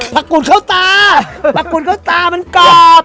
ปรากฏข้าวตาปรากฏข้าวตามันกรอบ